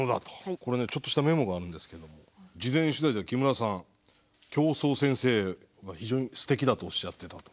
これねちょっとしたメモがあるんですけども事前取材では木村さん京増先生が非常にすてきだとおっしゃってたと。